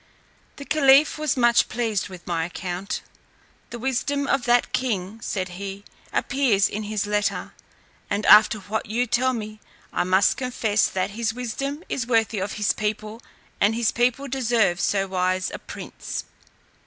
The caliph was much pleased with my account. "The wisdom of that king," said he, "appears in his letter, and after what you tell me, I must confess, that his wisdom is worthy of his people, and his people deserve so wise a prince."